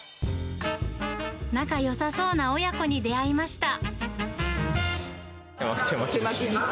仲よさそうな親子に出会いました。